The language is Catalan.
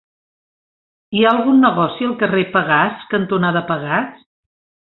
Hi ha algun negoci al carrer Pegàs cantonada Pegàs?